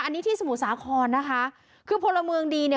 อันนี้ที่สมุทรสาครนะคะคือพลเมืองดีเนี่ย